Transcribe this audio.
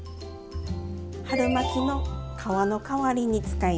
春巻の皮の代わりに使います。